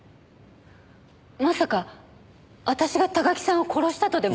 まさか私が高木さんを殺したとでも？